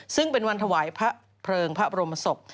ซึ่งเป็นวันถวายพระเพลิงพระบรมศพ